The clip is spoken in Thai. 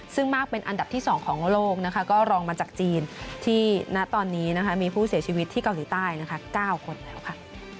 ซึ่งมากเป็นอันดับที่๒ของโลกนะคะก็รองมาจากจีนที่ณตอนนี้นะคะมีผู้เสียชีวิตที่เกาหลีใต้นะคะ๙คนแล้วค่ะ